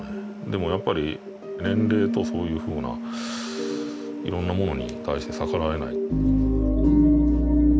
でもやっぱり年齢とそういうふうないろんなものに対して逆らえない。